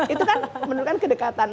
itu kan menurutkan kedekatan